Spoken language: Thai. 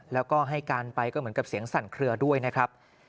แล้วก็ให้การไปก็เหมือนกับเสียงสั่นเคลือด้วยนะครับ